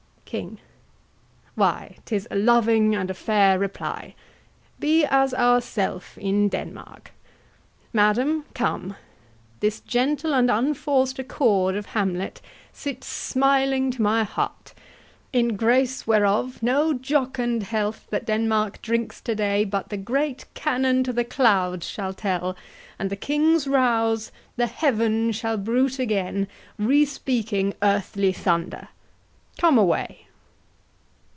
KING. Why, 'tis a loving and a fair reply. Be as ourself in Denmark. Madam, come; This gentle and unforc'd accord of Hamlet Sits smiling to my heart; in grace whereof, No jocund health that Denmark drinks today But the great cannon to the clouds shall tell, And the King's rouse the heaven shall bruit again, Re speaking earthly thunder. Come away.